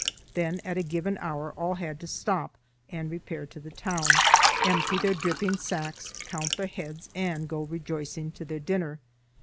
Then at a given hour all had to stop and repair to the town, empty their dripping sacks, count the heads, and go rejoicing to their dinner.